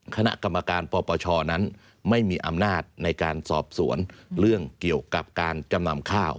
คณะกรรมการปปชนั้นไม่มีอำนาจในการสอบสวนเรื่องเกี่ยวกับการจำนำข้าว